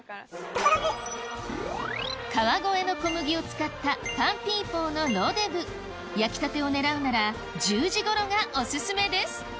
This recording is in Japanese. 川越の小麦を使ったパンピーポーのロデヴ焼きたてを狙うなら１０時ごろがオススメです